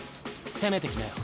攻めてきなよ。